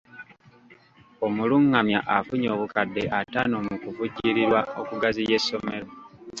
Omulungamya afunye obukadde ataano mu kuvujjirirwa okugaziya essomero.